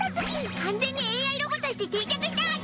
完全にＡＩロボとして定着したはぎ！